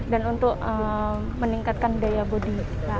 dan untuk meningkatkan daya bodi